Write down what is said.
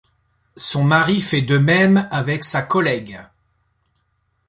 Son mari fait de même avec sa collègue.